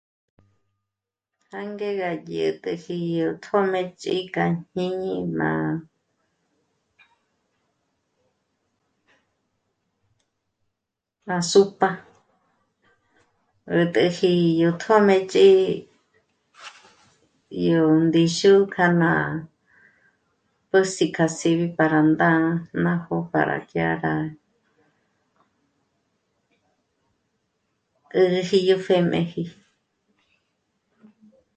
Jângegà dyä̂täji yó tjōmëch'i k'a jñíñi má ràsö́p'a 'ä̀t'äji yó tjōmëch'i yó ndíxu k'a ná posí k'a síbi para ndánajo para jiára 'ägäji yó pjèjmeji